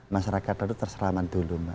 masyarakat itu terseraman dulu mbak